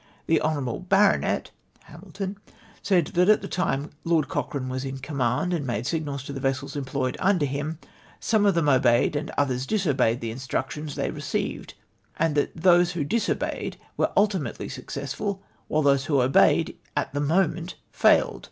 The hon. baronet ( Hamilton) said that at the time Lord Cochrane was in command, and made signals to the vessels employed under him, ' some of them, obeyed oynd others disobeyed the instructions they re ceived, and that those who disobeyed were ultimately suc cessful, whilst those who obeyed at the moment failed.'